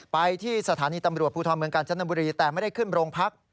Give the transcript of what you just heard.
ไปที่สถานีตำรวจภูทรเมืองกาญจนบุรีแต่ไม่ได้ขึ้นโรงพัก